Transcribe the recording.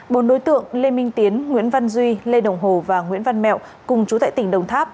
bốn đối tượng lê minh tiến nguyễn văn duy lê đồng hồ và nguyễn văn mẹo cùng chú tại tỉnh đồng tháp